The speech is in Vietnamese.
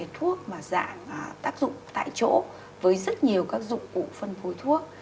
thuốc mà dạng tác dụng tại chỗ với rất nhiều các dụng cụ phân phối thuốc